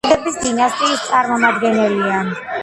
თემურიდების დინასტიის წარმომადგენელი.